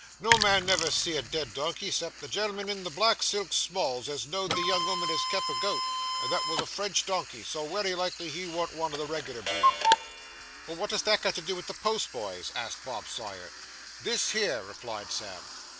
No man never see a dead donkey 'cept the gen'l'm'n in the black silk smalls as know'd the young 'ooman as kep' a goat; and that wos a French donkey, so wery likely he warn't wun o' the reg'lar breed.' 'Well, what has that got to do with the postboys?' asked Bob Sawyer. 'This here,' replied Sam.